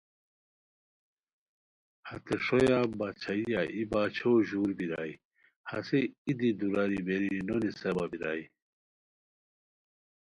ہتے ݰویہ باچھائیہ ای باچھو ژور بیرائے ہسے ای دی دوراری بیری نونیساوا بیرائے